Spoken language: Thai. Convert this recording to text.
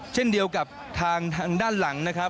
เช่นเดียวกับทางด้านหลังนะครับ